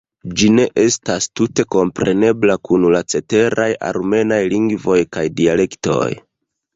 Ĝi ne estas tute komprenebla kun la ceteraj armenaj lingvoj kaj dialektoj.